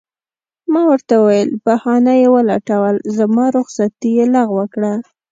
ما ورته وویل: بهانه یې ولټول، زما رخصتي یې لغوه کړه.